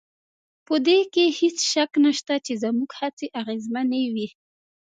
په دې کې هېڅ شک نشته چې زموږ هڅې اغېزمنې وې